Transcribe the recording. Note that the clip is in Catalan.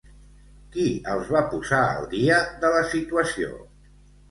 Qui els va posar al dia de la situació?